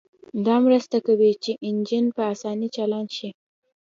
دا مرسته کوي چې انجن په اسانۍ چالان شي